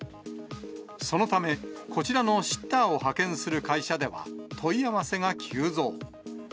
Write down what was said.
そのため、こちらのシッターを派遣する会社では、問い合わせが急増。